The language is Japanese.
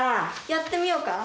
やってみようか。